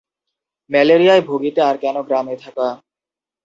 ম্যালেরিয়ায় ভুগিতে আর কেন গ্রামে থাকা?